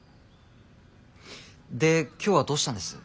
で今日はどうしたんです？